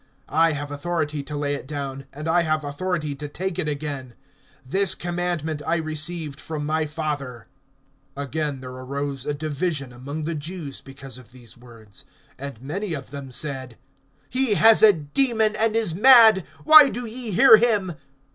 I have authority to lay it down, and I have authority to take it again. This commandment I received from my Father. (19)Again there arose a division among the Jews because of these words. (20)And many of them said: He has a demon, and is mad, why do ye hear him?